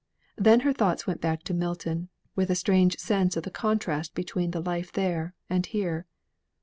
Then her thoughts went back to Milton, with a strange sense of the contrast between the life there, and here.